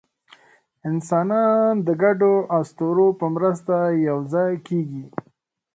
انسانان د ګډو اسطورو په مرسته یوځای کېږي.